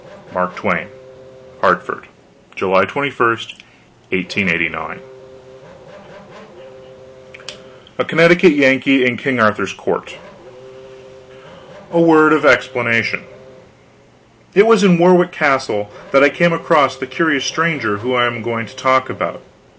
MARK TWAIN HARTFORD, July 21, 1889 A CONNECTICUT YANKEE IN KING ARTHUR'S COURT A WORD OF EXPLANATION It was in Warwick Castle that I came across the curious stranger whom I am going to talk about.